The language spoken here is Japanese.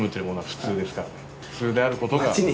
普通であることが。